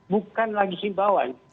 bukan lagi himbauan